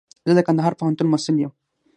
زه د کندهار پوهنتون محصل يم.